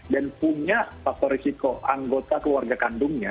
dan punya faktor risiko anggota keluarga kandungnya